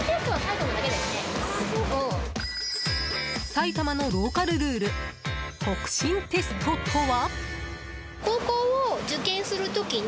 埼玉のローカルルール北辰テストとは？